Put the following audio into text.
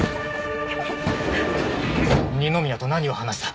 二宮と何を話した？